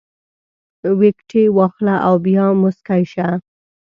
ویکټې واخله او بیا موسکی شه